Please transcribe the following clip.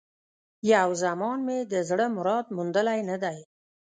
یو زمان مي د زړه مراد موندلی نه دی